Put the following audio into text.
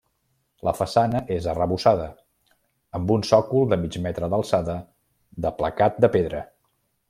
La façana és arrebossada, amb un sòcol de mig metre d'alçada d'aplacat de pedra.